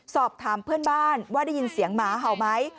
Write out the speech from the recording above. สอบถามเพื่อนบ้านว่าได้ยินเสียงหมาเห่าไหม